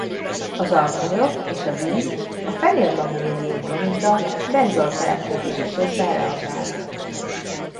Az alkoholok és a víz a fenil-magnézium-bromiddal benzol keletkezése közben reagál.